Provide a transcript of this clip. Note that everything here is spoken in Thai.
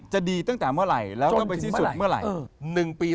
ดีตั้งแต่เมื่อไหร่แล้วก็ไปสิ้นสุดเมื่อไหร่๑ปี